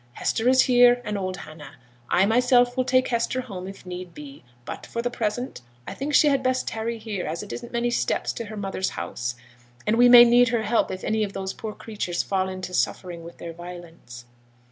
Hester is here, and old Hannah. I myself will take Hester home, if need be. But for the present I think she had best tarry here, as it isn't many steps to her mother's house, and we may need her help if any of those poor creatures fall into suffering wi' their violence.'